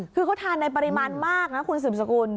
คือเขาทานในปริมาณมากนะคุณสืบสกุล